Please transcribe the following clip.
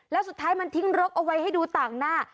แล้วสุดท้ายมันทิ้งรกเอาไว้ให้ดูต่างหน้า